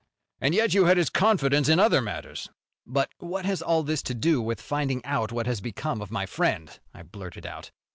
"And yet you had his confidence in other matters?" "But what has all this to do with finding out what has become of my friend?" I blurted out.